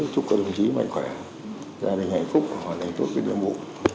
chúc các đồng chí mạnh khỏe gia đình hạnh phúc hoàn thành tốt kinh doanh vụ